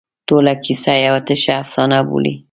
ټوله کیسه یوه تشه افسانه بولي.